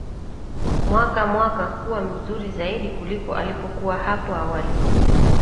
mwaka mwaka kuwa mazuri zaidi kuliko alipokuwa hapo awali